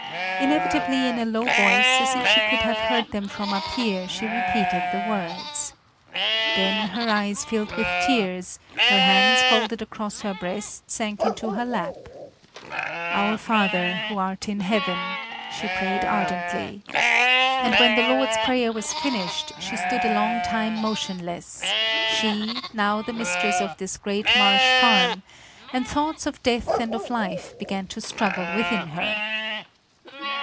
Inevitably, in a low voice, as if she could have heard them from up here, she repeated the words. Then her eyes filled with tears, her hands folded across her breast sank into her lap. "Our Father, who art in heaven!" she prayed ardently. And when the Lord's prayer was finished, she stood a long time motionless she, now the mistress of this great marsh farm; and thoughts of death and of life began to struggle within her.